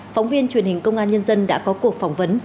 phóng viên truyền hình công an nhân dân đã có cuộc phỏng vấn